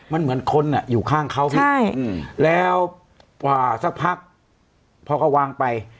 มันเหมือนคนอยู่ข้างเขาพี่แล้วกว่าสักพักพอเขาวางไป